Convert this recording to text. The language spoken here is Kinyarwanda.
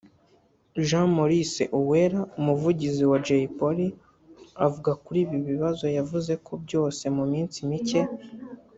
Jean Maurice Uwera umuvugizi wa Jay Polly avuga kuri ibi bibazo yavuze ko byose mu minsi micye